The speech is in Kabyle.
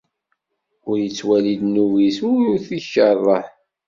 Ur ittwali ddnub-is, ur t-ikerreh.